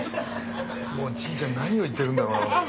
もうちいちゃん何を言ってるんだろうな。